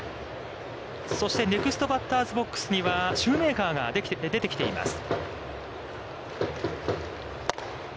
そして、ネクストバッターズボックスには、シューメーカーが出てきています。